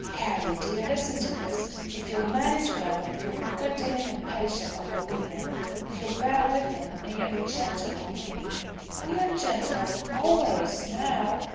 "Carry dear, listen to this. If you'll manage well; if you'll be good to him, and patient while you are with him; if you'll bear with him, and yet be gentle when he " "I am gentle, always, now."